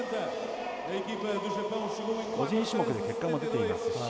個人種目で結果も出ていますし。